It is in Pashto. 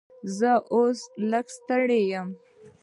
زه اوس لږ ستړی یم.